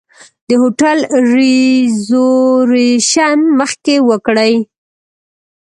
د هوټل ریزرویشن مخکې وکړئ.